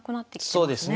そうですね。